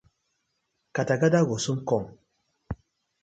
Kata kata go soon kom.